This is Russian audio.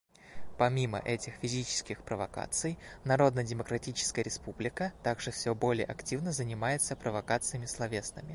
Помимо этих физических провокаций, Народно-Демократическая Республика также все более активно занимается провокациями словесными.